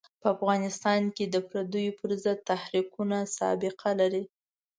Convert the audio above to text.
په افغانستان کې د پردیو پر ضد تحریکونه سابقه لري.